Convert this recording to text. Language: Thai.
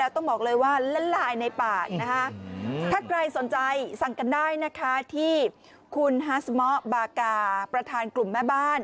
ถ้าใครสนใจสั่งกันได้นะคะที่คุณฮาสมะบากาประธานกลุ่มแม่บ้าน